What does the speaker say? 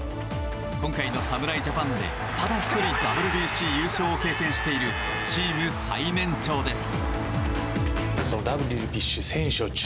今回の侍ジャパンでただ１人ＷＢＣ優勝を経験しているチーム最年長です。